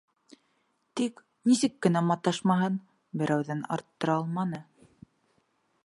Тик, нисек кенә маташмаһын, берәүҙән арттыра алманы.